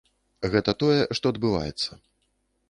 Гэта тое, што адбываецца.